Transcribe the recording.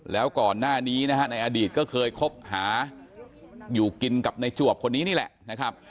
แล้วก่อนหน้านี้นะฮะในอดีตก็เคยคบหาอยู่กินกับในจวบคนนี้นี่แหละนะครับ